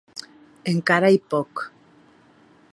Encara ei pòc.